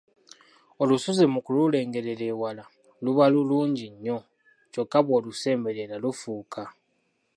Olusozi mu kululengerera ewala luba lulungi nno, kyokka bw’olusemberera lufuuka!